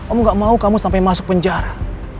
oh gak mau kamu sampai masuk penjara